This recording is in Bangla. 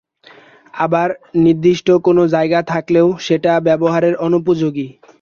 আবার নির্দিষ্ট কোনো জায়গা থাকলেও সেটা ব্যবহারের অনুপযোগী।